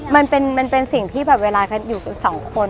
มันเป็นสิ่งที่แบบเวลาอยู่กับสองคน